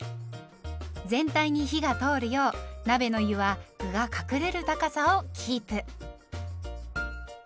全体に火が通るよう鍋の湯は具が隠れる高さをキープ。